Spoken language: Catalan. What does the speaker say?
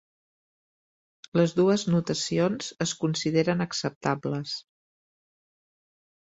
Les dues notacions es consideren acceptables.